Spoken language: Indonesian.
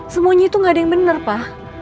semuanya itu gak ada yang bener pa